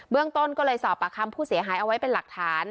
ต้นก็เลยสอบปากคำผู้เสียหายเอาไว้เป็นหลักฐาน